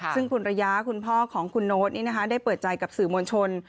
ซึ่งคุณระยะคุณพ่อของคุณโน๊ตได้เปิดใจกับสื่อมวลชน